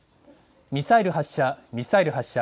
ミサイル発射、ミサイル発射。